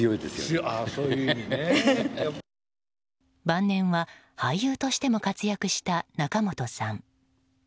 晩年は、俳優としても活躍した仲本さん。